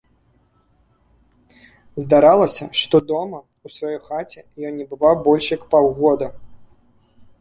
Здаралася, што дома, у сваёй хаце, ён не бываў больш як паўгода.